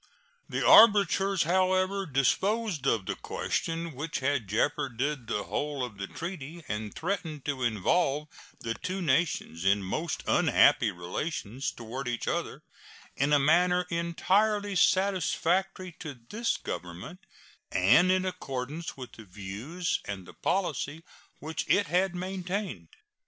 The arbitrators, however, disposed of the question which had jeoparded the whole of the treaty and threatened to involve the two nations in most unhappy relations toward each other in a manner entirely satisfactory to this Government and in accordance with the views and the policy which it had maintained.